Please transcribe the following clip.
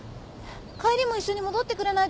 帰りも一緒に戻ってくれないと困る。